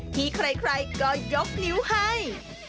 ที่ใครก็ยกนิ้วให้